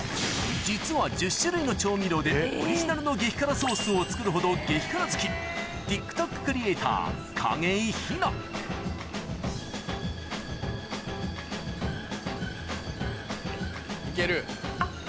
実は１０種類の調味料でオリジナルの激辛ソースを作るほど激辛好きいける？